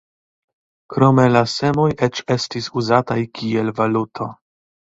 Krome la semoj eĉ estis uzataj kiel valuto.